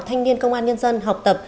thanh niên công an nhân dân học tập